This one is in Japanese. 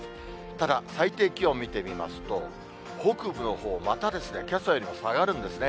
ただ、最低気温見てみますと、北部のほう、またですね、けさよりも下がるんですね。